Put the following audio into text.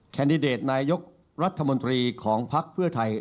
แดดิเดตนายกรัฐมนตรีของภักดิ์เพื่อไทย